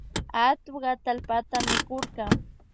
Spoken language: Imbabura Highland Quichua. Atuk atallpata mikurka